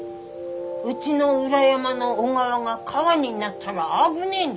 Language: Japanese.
うちの裏山の小川が川になったら危ねえんです。